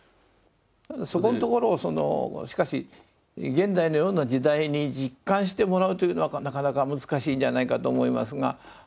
そこんところをそのしかし現代のような時代に実感してもらうというのはなかなか難しいんじゃないかと思いますが。